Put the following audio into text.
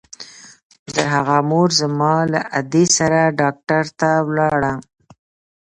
د هغه مور زما له ادې سره ډاکتر ته ولاړه.